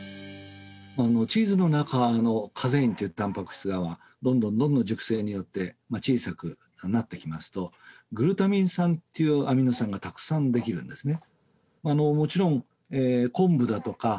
チーズの中のカゼインというたんぱく質がどんどんどんどん熟成によって小さくなってきますとグルタミン酸というアミノ酸がたくさんできるんですね